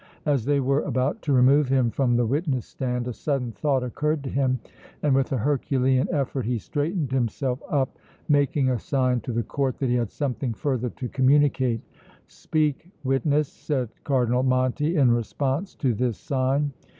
As they were about to remove him from the witness stand a sudden thought occurred to him, and with a herculean effort he straightened himself up, making a sign to the Court that he had something further to communicate. "Speak, witness," said Cardinal Monti, in response to this sign.